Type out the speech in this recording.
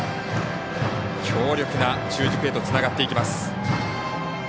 強力な中軸へとつながっていきます。